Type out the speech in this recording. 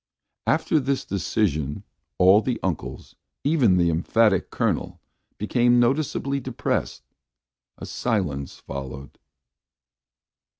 After this decision all the uncles, even the emphatic Colonel, became noticeably depressed. A silence followed.